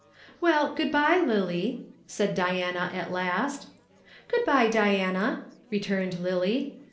"Well, good bye, Lillie," said Diana at last. "Good bye, Diana," returned Lillie.